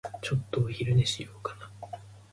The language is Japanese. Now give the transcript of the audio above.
ちょっとお昼寝しようかな。